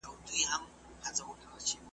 بلکې يو ملي سياسي فعال هم و